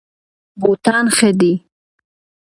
بوټان ښه دي.